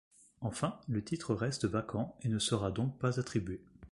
Enfin, le titre reste vacant et ne sera donc pas attribué.